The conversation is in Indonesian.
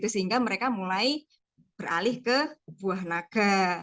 sehingga mereka mulai beralih ke buah naga